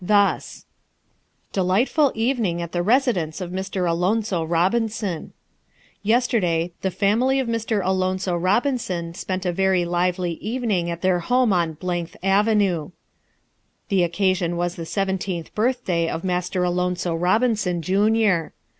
Thus: DELIGHTFUL EVENING AT THE RESIDENCE OF MR. ALONZO ROBINSON Yesterday the family of Mr. Alonzo Robinson spent a very lively evening at their home on th Avenue. The occasion was the seventeenth birthday of Master Alonzo Robinson, junior.